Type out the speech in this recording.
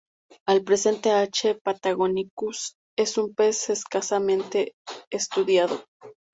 Al presente "H. patagonicus" es un pez escasamente estudiado.